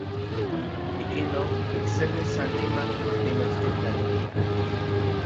Ikinon, iksemi sannimaj nimechtitlanilia.